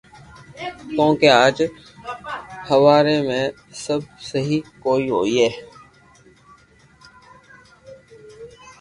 ڪونڪھ اج ھاوري مي سبب سھي ڪوئئي ھوئي